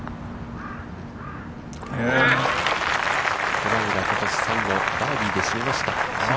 小平智、最後、バーディーで締めました。